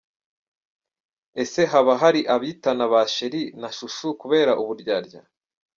Ese haba hari abitana ba "sheri" na "shu shu" kubera uburyarya?